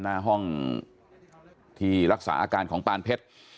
หน้าห้องที่รักษาอาการของปานเพชร